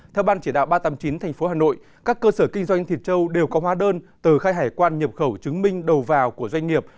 theo ban chỉ đạo ba trăm tám mươi chín tp hà nội các cơ sở kinh doanh thịt trâu đều có hóa đơn từ khai hải quan nhập khẩu chứng minh đầu vào của doanh nghiệp